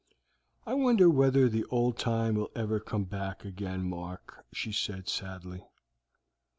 "I wonder whether the old time will ever come back again, Mark?" she said sadly.